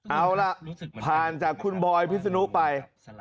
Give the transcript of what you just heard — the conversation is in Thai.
เอาล่ะผ่านจากคุณบอยพิษนุไป